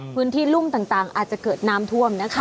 พื้นที่ลุ่มต่างอาจจะเกิดน้ำท่วมนะคะ